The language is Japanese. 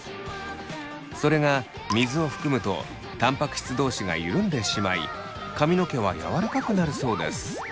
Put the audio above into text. それが水を含むとたんぱく質同士が緩んでしまい髪の毛は柔らかくなるそうです。